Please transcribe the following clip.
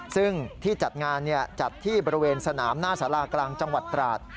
ซึ่งที่จัดงานจัดที่บริเวณสนามหน้าสารากลางจังหวัดตราด